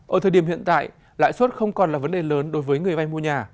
ở thời điểm hiện tại lãi suất không còn là vấn đề lớn đối với người vay mua nhà